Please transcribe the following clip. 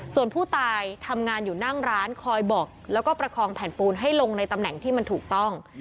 ส่วนผู้ตายทำงานอยู่นั่งร้านคอยบอกแล้วก็ประคองแผ่นปูนให้ลงในตำแหน่งที่มันถูกต้อง